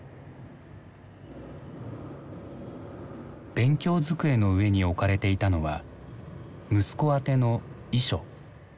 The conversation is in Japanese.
勉強机の上に置かれていたのは息子宛ての遺書。